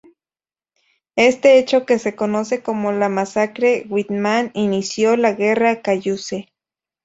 Este hecho, que se conoce como la masacre Whitman, inició la Guerra Cayuse.